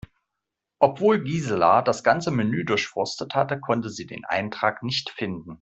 Obwohl Gisela das ganze Menü durchforstet hatte, konnte sie den Eintrag nicht finden.